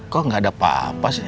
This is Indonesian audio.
kok gak ada papa sih